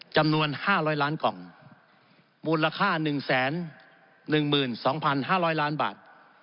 จำนวน๕๐๐ล้านกล่องมูลค่า๑๑๒๕๐๐ล้านบาท